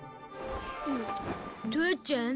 父ちゃん？